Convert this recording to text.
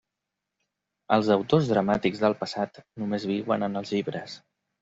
Els autors dramàtics del passat només viuen en els llibres.